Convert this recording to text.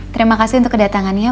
terima kasih untuk kedatangannya